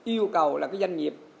yêu cầu là cái doanh nghiệp